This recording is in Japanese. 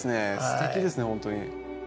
すてきですねほんとに。